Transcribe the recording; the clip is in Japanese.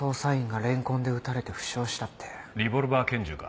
リボルバー拳銃か？